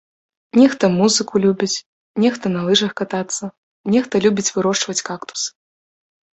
Нехта музыку любіць, нехта на лыжах катацца, нехта любіць вырошчваць кактусы.